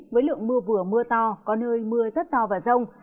với lượng mưa vừa mưa to có nơi mưa rất to và rông